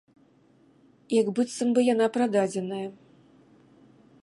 Як быццам бы яна прададзеная.